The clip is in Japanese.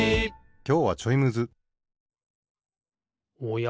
きょうはちょいむずおや？